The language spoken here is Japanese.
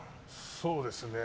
そうですね。